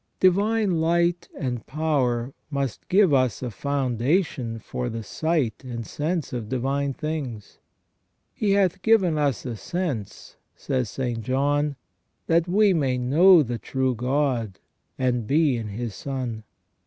Divine light and power must give us a foundation for the sight and sense of divine things. "He hath given us a sense," says St. John, " that we may know the true God, and be in His Son."